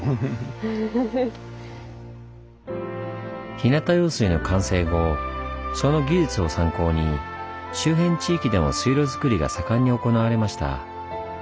日向用水の完成後その技術を参考に周辺地域でも水路づくりが盛んに行われました。